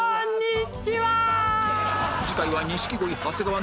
次回は